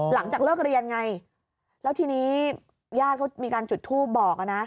หลังจากเลิกเรียนไงแล้วทีนี้ญาติเขามีการจุดทูปบอกนะ